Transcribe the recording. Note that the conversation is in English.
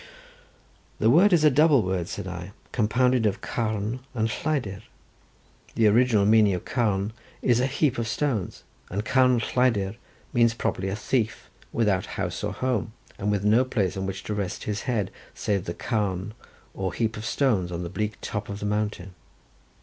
"The word is a double word," said I, "compounded of carn and lleidyr. The original meaning of carn is a heap of stones, and carn lleidyr means properly a thief without house or home, and with no place on which to rest his head, save the carn or heap of stones on the bleak top of the mountain.